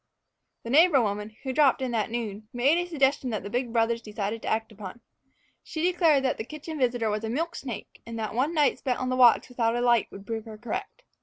The neighbor woman, who dropped in that noon, made a suggestion that the big brothers decided to act upon. She declared that the kitchen visitor was a milk snake, and that one night spent on the watch without a light would prove her correct.